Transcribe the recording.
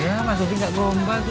ya mas bopi gak gombal tuh